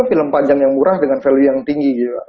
film panjang yang murah dengan value yang tinggi